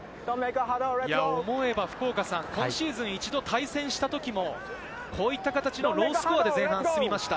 思えば福岡さん、今シーズン一度対戦したときもこういった形のロースコアで前半が進みました。